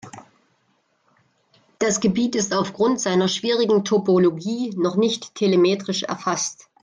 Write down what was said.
Das Gebiet ist aufgrund seiner schwierigen Topologie noch nicht telemetrisch erfasst.